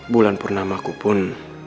bulan purnamaku pun